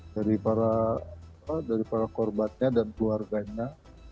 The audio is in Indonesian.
dari para korbannya dan keluarganya